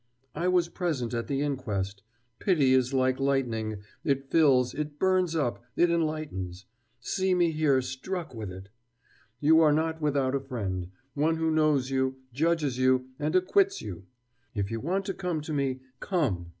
I was present at the inquest.... Pity is like lightning; it fills, it burns up, it enlightens ... see me here struck with it!... You are not without a friend, one who knows you, judges you, and acquits you.... If you want to come to me, come!...